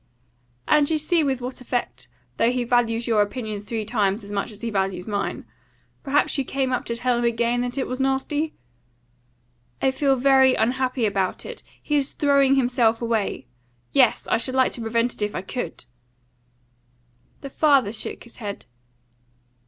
"And you see with what effect, though he values your opinion three times as much as he values mine. Perhaps you came up to tell him again that it was nasty?" "I feel very unhappy about it. He is throwing himself away. Yes, I should like to prevent it if I could!" The father shook his head.